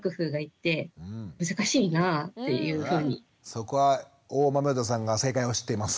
そこは大豆生田さんが正解を知っています。